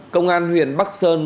công an huyện bắc sơn